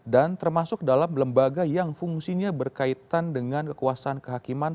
dan termasuk dalam lembaga yang fungsinya berkaitan dengan kekuasaan kehakiman